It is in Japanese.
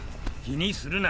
気にするな。